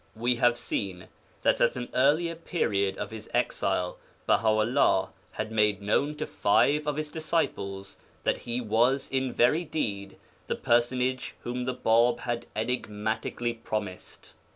We have seen that at an earlier period of his exile Baha 'ullah had made known to five of his disciples that he was in very deed the personage whom the Bāb had enigmatically promised.